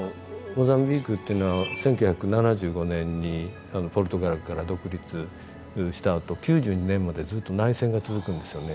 モザンビークっていうのは１９７５年にポルトガルから独立したあと９２年までずっと内戦が続くんですよね。